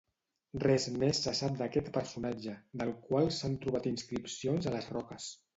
Res més se sap d'aquest personatge del qual s'han trobat inscripcions a les roques.